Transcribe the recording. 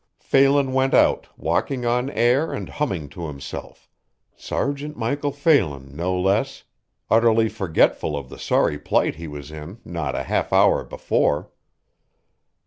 Phelan went out, walking on air and humming to himself, "Sergt. Michael Phelan, no less," utterly forgetful of the sorry plight he was in not a half hour before.